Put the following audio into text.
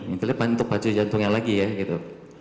intinya pantuk pacu jantungnya lagi ya gitu